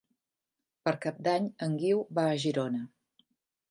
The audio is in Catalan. Per Cap d'Any en Guiu va a Girona.